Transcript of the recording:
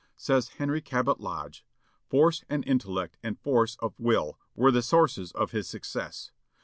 Says Henry Cabot Lodge: "Force of intellect and force of will were the sources of his success....